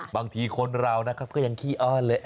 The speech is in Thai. บางทีคนเรานะครับก็ยังขี้อ้อนเลย